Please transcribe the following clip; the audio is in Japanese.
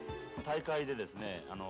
大会でですね